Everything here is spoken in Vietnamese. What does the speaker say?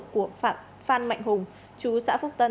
của phan mạnh hùng chú xã phúc tân